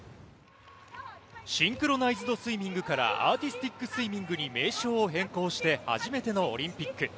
シンクロナイズドスイミングからアーティスティックスイミングに名称を変更して初めてのオリンピック。